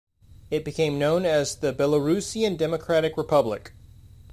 It became known also as the "Belarusian Democratic Republic".